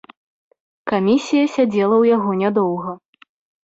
Камісія сядзела ў яго нядоўга.